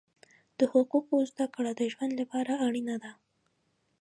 د حقوقو زده کړه د ژوند لپاره اړینه ده.